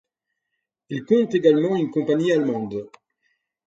Il compte également une compagnie allemande.